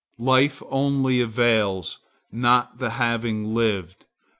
Life only avails, not the having lived.